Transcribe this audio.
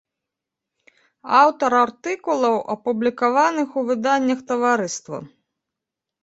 Аўтар артыкулаў, апублікаваных у выданнях таварыства.